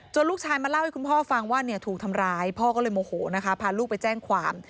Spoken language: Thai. ลูกชายมาเล่าให้คุณพ่อฟังว่าเนี่ยถูกทำร้ายพ่อก็เลยโมโหนะคะพาลูกไปแจ้งความ